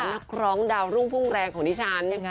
นักร้องดาวรุ่งพุ่งแรงของดิฉัน